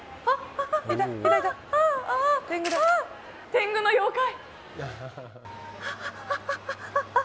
天狗の妖怪。